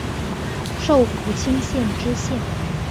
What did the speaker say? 授福清县知县。